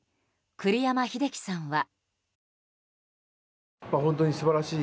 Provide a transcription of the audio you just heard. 栗山英樹さんは。